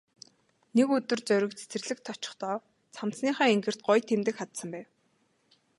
Нэг өдөр Зориг цэцэрлэгт очихдоо цамцныхаа энгэрт гоё тэмдэг хадсан байв.